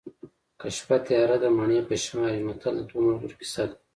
که شپه تیاره ده مڼې په شمار دي متل د دوو ملګرو کیسه ده